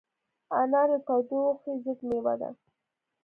انار د تودوخې ضد مېوه ده.